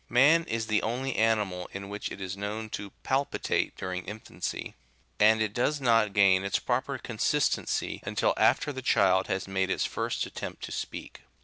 Man is the only ani mal in which it is known to palpitate85 during infancy ; and it does not gain its proper consistency until after the child has made its first attempt to speak.